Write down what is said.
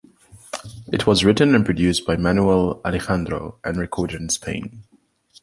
It was written and produced by Manuel Alejandro and recorded in Spain.